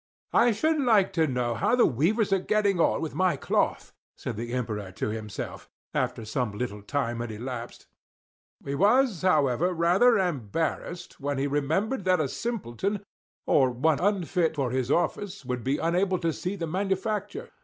"I should like to know how the weavers are getting on with my cloth," said the Emperor to himself, after some little time had elapsed; he was, however, rather embarrassed, when he remembered that a simpleton, or one unfit for his office, would be unable to see the manufacture.